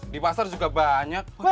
di pasar juga banyak